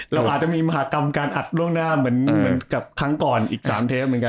เราอาจจะมีมหากรรมการอัดล่วงหน้าเหมือนกับครั้งก่อนอีก๓เทปเหมือนกัน